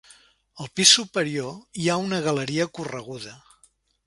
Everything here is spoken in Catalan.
Al pis superior hi ha una galeria correguda.